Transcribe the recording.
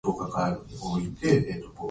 Sushi